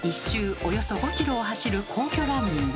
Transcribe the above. およそ５ｋｍを走る「皇居ランニング」。